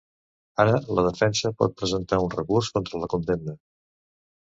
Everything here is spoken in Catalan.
Ara la defensa pot presentar un recurs contra la condemna.